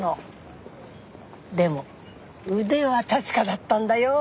でも腕は確かだったんだよ。